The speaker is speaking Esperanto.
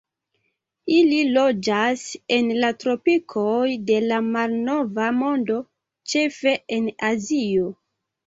Ili loĝas en la tropikoj de la Malnova Mondo, ĉefe en Azio.